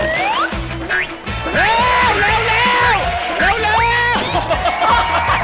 เร็วเร็วเร็วเร็วเร็ว